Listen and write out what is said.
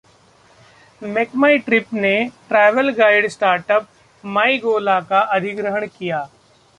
मेकमाईट्रिप ने travel guide start-up माईगोला का अधिग्रहण किया